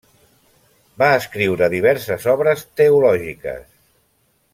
Va escriure diverses obres teològiques.